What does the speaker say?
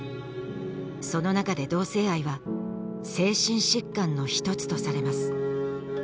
その中で同性愛は精神疾患の一つとされます